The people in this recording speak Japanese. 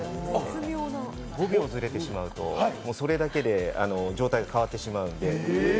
５秒ずれてしまうと、それだけで状態が変わってしまうので。